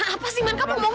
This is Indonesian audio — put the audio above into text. apa sih man